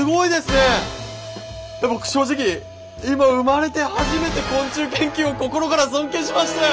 僕正直今生まれて初めて昆虫研究を心から尊敬しましたよ！